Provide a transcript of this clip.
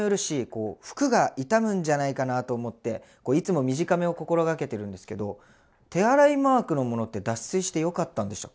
こう服が傷むんじゃないかなと思っていつも短めを心がけてるんですけど手洗いマークのものって脱水してよかったんでしたっけ？